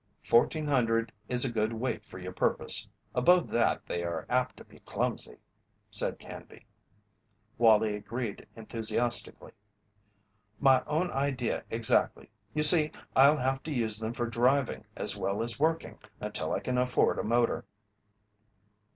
"Fourteen hundred is a good weight for your purpose above that they are apt to be clumsy," said Canby. Wallie agreed enthusiastically. "My own idea exactly. You see, I'll have to use them for driving as well as working, until I can afford a motor."